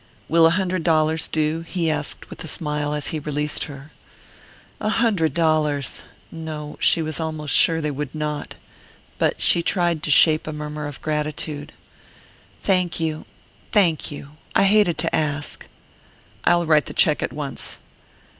"Will a hundred dollars do?" he asked with a smile as he released her. A hundred dollars! No she was almost sure they would not. But she tried to shape a murmur of gratitude. "Thank you thank you! I hated to ask...." "I'll write the cheque at once."